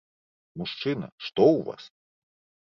Мужчына, што ў вас?